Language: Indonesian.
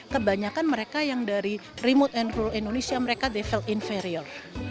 kebanyakan mereka yang dari remote and rule indonesia mereka develt inferior